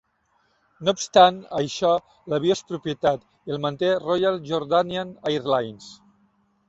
No obstant això l'avió és propietat i el manté Royal Jordanian Airlines.